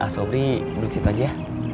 sobri duduk situ aja ya